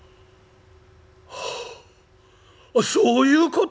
あそういうこと！？」。